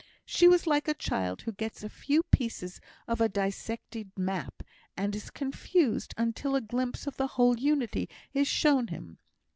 She was like a child who gets a few pieces of a dissected map, and is confused until a glimpse of the whole unity is shown him.